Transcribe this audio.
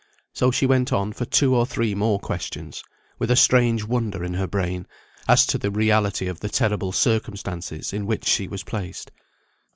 So she went on for two or three more questions, with a strange wonder in her brain, as to the reality of the terrible circumstances in which she was placed.